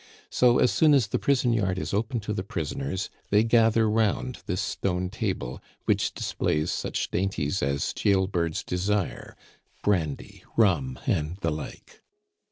So as soon as the prison yard is open to the prisoners, they gather round this stone table, which displays such dainties as jail birds desire brandy, rum, and the like.